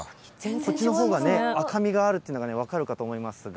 こっちのほうがね、赤みがあるっていうのが分かるかと思いますが。